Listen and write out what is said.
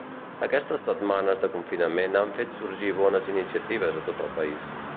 Aquestes setmanes de confinament han fet sorgir bones iniciatives a tot el país.